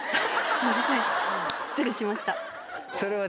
すいません。